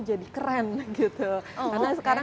jadi keren gitu karena sekarang